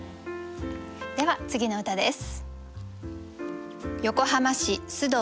では次の歌です。